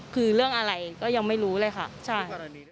คือเรื่องอะไรก็ยังไม่รู้เลยค่ะใช่